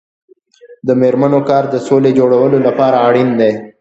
د میرمنو کار د سولې جوړولو لپاره اړین دی.